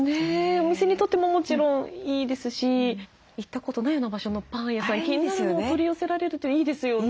お店にとってももちろんいいですし行ったことないような場所のパン屋さん気になるのを取り寄せられるといいですよね。